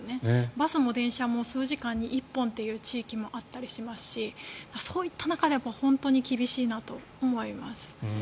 バスも電車も数時間に１本という地域もあったりしますしそういった中で本当に厳しいなと思います。